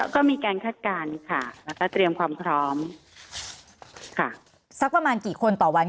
ก็มีการคาดการณ์ค่ะแล้วก็เตรียมความพร้อมค่ะ